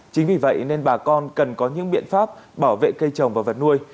chính vì vậy nên bà con cần có những biện pháp bảo vệ cây trồng và vật nuôi